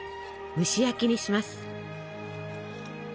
蒸し焼きにします。